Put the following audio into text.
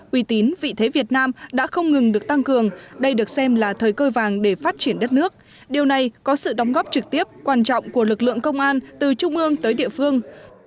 uy tín vị thế việt nam đã không ngừng được tăng cường đây được xem là thời cơ vàng để phát triển đất nước điều này có sự đóng góp trực tiếp quan trọng của lực lượng công an từ trung ương tới địa phương